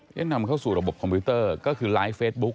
นี่นำเข้าสู่ระบบคอมพิวเตอร์ก็คือไลฟ์เฟซบุ๊ค